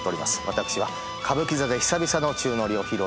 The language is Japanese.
私は歌舞伎座で久々の宙乗りを披露いたします。